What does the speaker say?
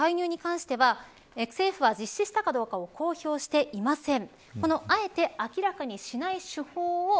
ただ今回の介入に関しては政府は実施したかどうかを公表していません。